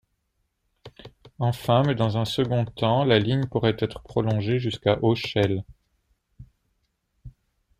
Enfin, mais dans un second temps, la ligne pourrait être prolongée jusqu’à Auchel.